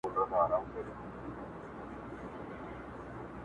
سترګي د محفل درته را واړوم!